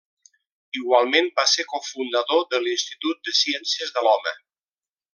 Igualment va ser cofundador de l'Institut de Ciències de l'Home.